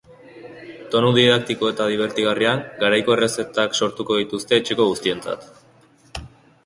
Tonu didaktiko eta dibertigarrian, garaiko errezetak sortuko dituzte etxeko guztientzat.